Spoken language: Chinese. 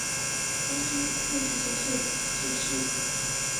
张升六十九岁致仕。